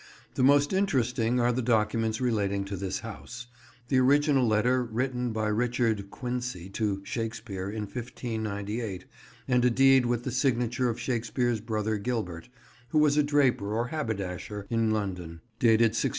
The most interesting are the documents relating to this house; the original letter written by Richard Quincy to Shakespeare in 1598; and a deed with the signature of Shakespeare's brother Gilbert, who was a draper or haberdasher in London, dated 1609.